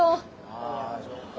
あぁそっか。